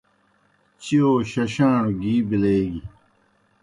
چِیؤ ششاݨوْ گی بِلیگیْ۔